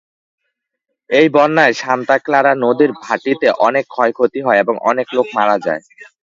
এই বন্যায় Santa Clara নদীর ভাটিতে অনেক ক্ষয়ক্ষতি হয় এবং অনেক লোক মারা যায়।